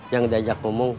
yang diajak ngomong